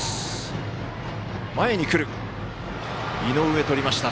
井上、とりました。